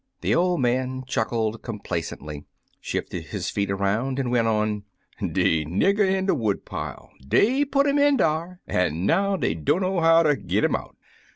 The old man chuckled complacently, shifted his feet around, and went on: — De nigger in de wood pile — dey put 'im in dar, an' now dey dunno how ter git 'im out.